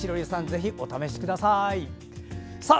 ぜひ、お試しください。